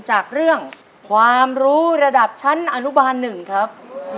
จากเรื่องความรู้ระดับชั้นอนุบาล๑ครับ